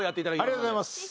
ありがとうございます。